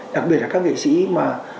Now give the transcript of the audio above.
đặc biệt là các nghệ sĩ mà